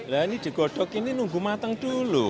nah ini digodok ini nunggu matang dulu